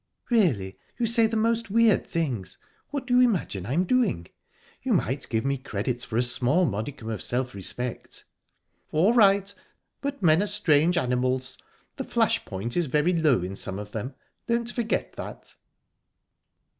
"Really, you say the most weird things. What do you imagine I'm doing? You might give me credit for a small modicum of self respect." "All right, but men are strange animals. The flash point is very low in some of them. Don't forget that."